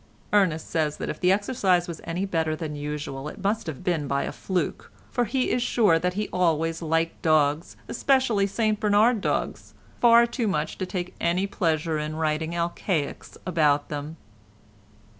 Ernest says that if the exercise was any better than usual it must have been by a fluke, for he is sure that he always liked dogs, especially St Bernard dogs, far too much to take any pleasure in writing Alcaics about them.